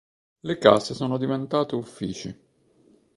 Le case sono diventate uffici.